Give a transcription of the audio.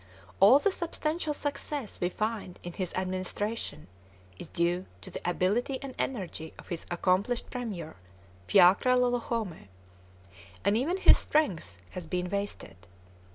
All the substantial success we find in his administration is due to the ability and energy of his accomplished premier, Phya Kralahome, and even his strength has been wasted.